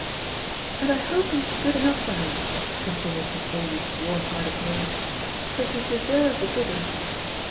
"And I hope he's good enough for her," continued Miss Ailie's warm hearted maid, "for she deserves a good ane."